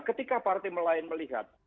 nah ketika partai lain melihat